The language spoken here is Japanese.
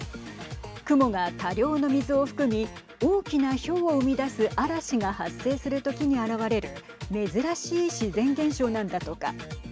雲が多量の水を含み大きな、ひょうを生み出す嵐が発生するときにあらわれる珍しい自然現象なんだとか。